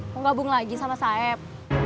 mau gabung lagi sama saib